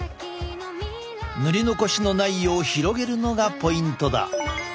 塗り残しのないよう広げるのがポイントだ。